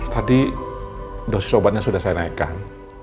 tadi dosis obatnya sudah saya naikkan